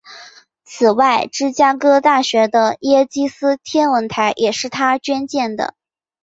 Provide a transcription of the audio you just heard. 此外芝加哥大学的耶基斯天文台也是他捐建的。